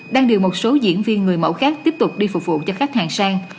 đang điều một số diễn viên người mẫu khác tiếp tục đi phục vụ cho khách hàng sang